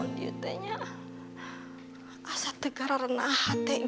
asal terjadi seperti ini